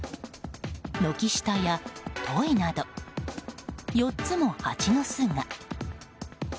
軒下や、といなど４つもハチの巣が。